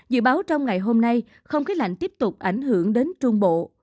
dự báo trong ngày hôm nay không khí lạnh tiếp tục ảnh hưởng đến trung bộ